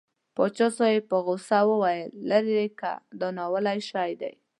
پاچا صاحب په غوسه وویل لېرې که دا ناولی شی دی.